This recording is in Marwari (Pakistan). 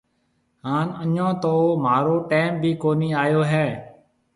هانَ اَڃون تو مهارو ٽيم ڀِي ڪونهي آيو هيَ۔